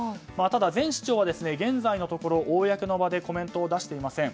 前市長は現在のところ公の場でコメントを出していません。